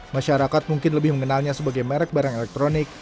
masyarakat mungkin lebih mengenalnya sebagai merek barang elektronik